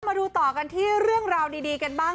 มาดูต่อกันที่เรื่องราวดีกันบ้าง